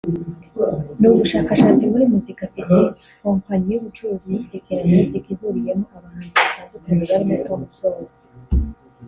ni ubushabitsi muri muzika afite kompanyi y’ubucuruzi yise Kina Music ihuriyemo abahanzi batandukanye barimo Tom Close